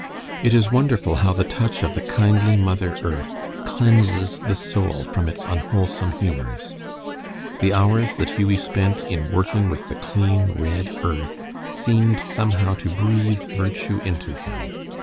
It is wonderful how the touch of the kindly mother earth cleanses the soul from its unwholesome humors. The hours that Hughie spent in working with the clean, red earth seemed somehow to breathe virtue into him.